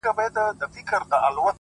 لوړ فکر د عادتونو کچه لوړوي